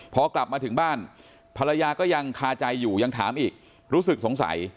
พอกลับมาถึงบ้านภรรยาก็ยังคาใจอยู่ยังถามอีกรู้สึกสงสัย